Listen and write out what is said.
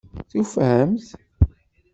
Tufamt-t?